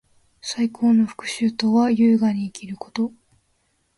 最高の復讐とは，優雅に生きること。